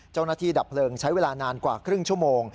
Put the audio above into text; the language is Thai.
เจ้าหน้าที่ดับเพลิงใช้เวลานานกว่าครึ่งชั่วโมง